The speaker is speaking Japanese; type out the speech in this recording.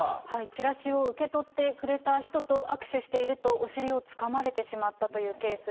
ちらしを受け取ってくれた人と握手していると、お尻をつかまれてしまったというケース。